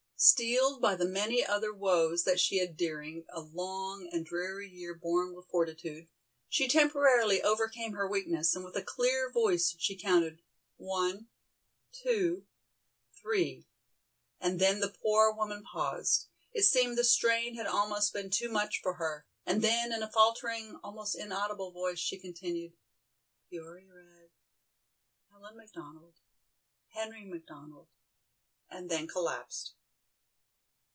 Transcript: Steeled by the many other woes that she had during a long and dreary year borne with fortitude, she temporarily overcame her weakness, and with a clear voice she counted: "One, two, three," and then the poor woman paused, it seemed the strain had almost been too much for her, and then in a faltering, almost inaudible voice she continued: "Peoria Red, Helen McDonald, Henry McDonald," and then collapsed.